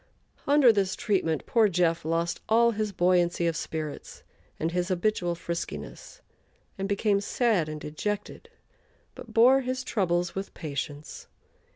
Under this treatment poor "Jeff" lost all his buoyancy of spirits and his habitual friskiness, and became sad and dejected, but bore his troubles with patience.